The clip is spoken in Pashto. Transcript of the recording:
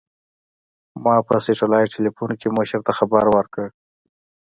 ما په سټلايټ ټېلفون کښې مشر ته خبر وركړ.